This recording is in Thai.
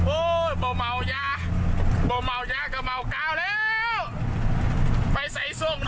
โอ้บ่เมายา